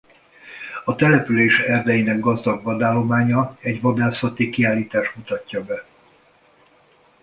A település erdeinek gazdag vadállománya egy Vadászati Kiállítás mutatja be.